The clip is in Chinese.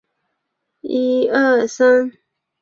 格雷的学术研究范围非常广泛。